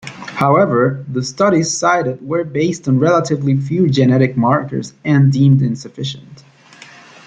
However, the studies cited were based on relatively few genetic markers and deemed insufficient.